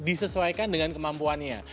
dan disesuaikan dengan kemampuannya